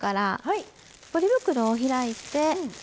ポリ袋を開いて。